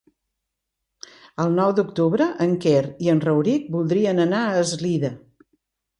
El nou d'octubre en Quer i en Rauric voldrien anar a Eslida.